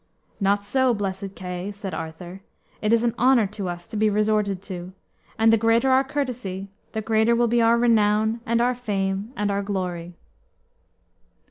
"Not so, blessed Kay," said Arthur; "it is an honor to us to be resorted to, and the greater our courtesy, the greater will be our renown and our fame and our glory."